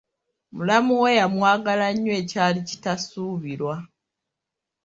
Mulamu we yamwagala nnyo ekyali kitasuubirwa.